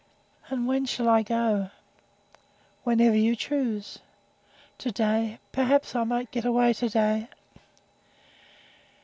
"And when shall I go?" "Whenever you choose." "To day; perhaps I might get away to day?"